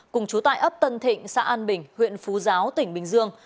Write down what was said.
cùng chú tại ấp tân thịnh xã an bình huyện phú giáo tỉnh bình dương